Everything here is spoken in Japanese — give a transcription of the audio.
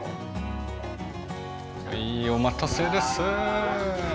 はいお待たせです！